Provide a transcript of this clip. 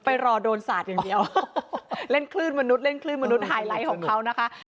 รอโดนสาดอย่างเดียวเล่นคลื่นมนุษย์เล่นคลื่นมนุษย์ไฮไลท์ของเขานะคะ